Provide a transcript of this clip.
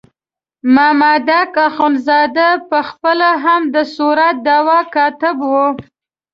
مامدک اخندزاده په خپله هم د صورت دعوا کاتب وو.